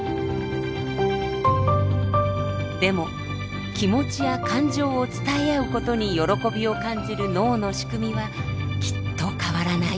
でも気持ちや感情を伝え合うことに喜びを感じる脳の仕組みはきっと変わらない。